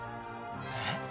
えっ？